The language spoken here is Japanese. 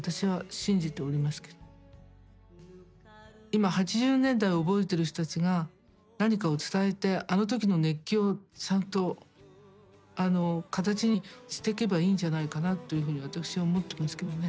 今８０年代を覚えてる人たちが何かを伝えてあの時の熱狂をちゃんと形にしてけばいいんじゃないかなというふうに私は思ってますけどね。